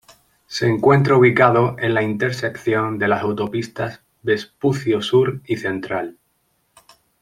Se encuentra ubicado en la intersección de las autopistas Vespucio Sur y Central.